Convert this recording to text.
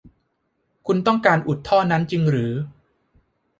คุณต้องการอุดท่อนั้นจริงหรือ